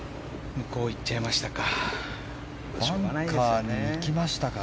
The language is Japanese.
向こうに行っちゃいましたか。